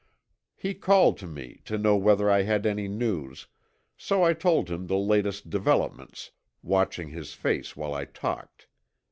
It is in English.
He called to me to know whether I had any news, so I told him the latest developments, watching his face while I talked.